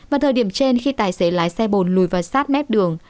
vào thời điểm trên khi tài xế lái xe bồn lùi vào sát mép đường